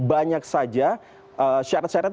banyak saja syarat syarat